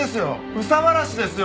憂さ晴らしですよ。